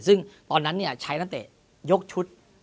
ซึ่งตอนนั้นใช้นักเตะยกชุด